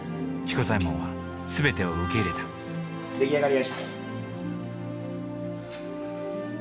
彦左衛門は全てを受け入れた出来上がりやした。